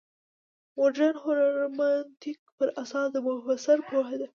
مډرن هرمنوتیک پر اساس د مفسر پوهه ده.